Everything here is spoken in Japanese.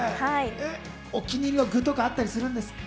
お気に入りの具とかあったりするんですか？